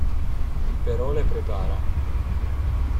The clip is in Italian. Però le prepara.